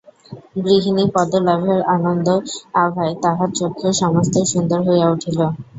গৃহিণীপদলাভের আনন্দ-আভায় তাহার চক্ষে সমস্তই সুন্দর হইয়া উঠিল।